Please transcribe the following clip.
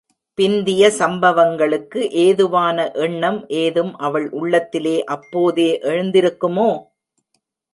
பிந்திய சம்பவங்களுக்கு ஏதுவான எண்ணம், எதும் அவள் உள்ளத்திலே அப்போதே எழுந்திருக்குமோ?